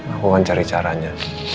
aku akan cari caranya